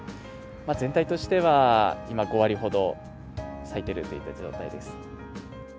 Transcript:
全体としては、今、５割ほど咲いているといった状態です。